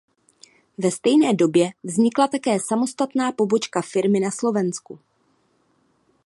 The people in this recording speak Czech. Ve stejné době vznikla také samostatná pobočka firmy na Slovensku.